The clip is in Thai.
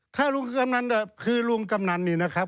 ถ้าลุงกำนันคือลุงกำนันนี่นะครับ